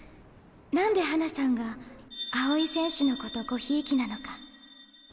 何で花さんが青井選手のことごひいきなのか。